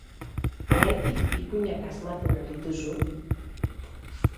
Oraindik ipuinak asmatzen al dituzu?